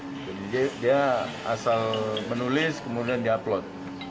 jadi dia asal menulis kemudian di upload